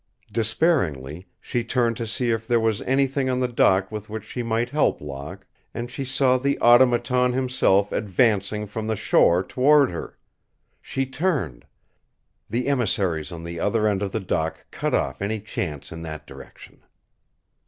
Despairingly she turned to see if there was anything on the dock with which she might help Locke and she saw the Automaton himself advancing from the shore toward her. She turned. The emissaries on the other end of the dock cut off any chance in that direction.